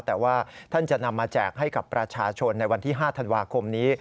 แต่ว่าท่านจะนำมาแจกให้กับประชาชนในวันที่๕ธันวาคมนี้